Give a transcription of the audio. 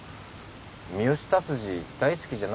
三好達治大好きじゃないんですか？